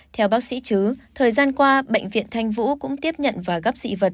theo bác sĩ chứ thời gian qua bệnh viện thanh vũ cũng tiếp nhận và góp dị vật